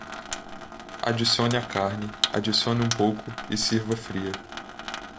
Adicione a carne, adicione um pouco e sirva fria.